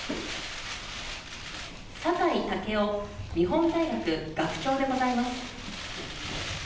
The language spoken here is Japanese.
酒井健夫日本大学学長でございます。